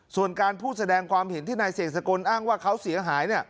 ส่วนการพูดแสดงความเห็นที่นายเสกสกลอ้างว่าเขาเสียหาย